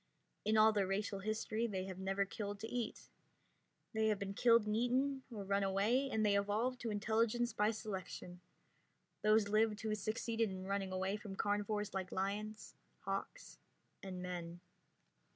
In all their racial history they have never killed to eat. They have been killed and eaten, or run away, and they evolved to intelligence by selection. Those lived who succeeded in running away from carnivores like lions, hawks, and men.